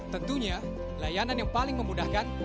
tentunya layanan yang paling memudahkan